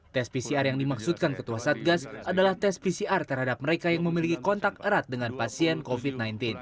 tes pcr yang dimaksudkan ketua satgas adalah tes pcr terhadap mereka yang memiliki kontak erat dengan pasien covid sembilan belas